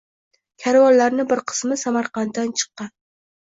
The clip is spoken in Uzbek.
Karvonlarni bir qismi Samarqanddan chiqqan.